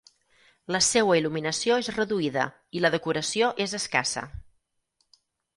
La seua il·luminació és reduïda i la decoració és escassa.